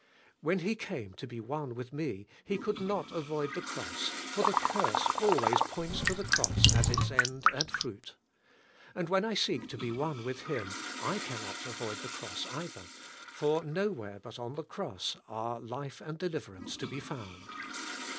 When He came to be one with me He could not avoid the Cross, for the curse always points to the Cross as its end and fruit. And when I seek to be one with Him, I cannot avoid the Cross either^ for nowhere but on the Cross are life and deliverance to be found.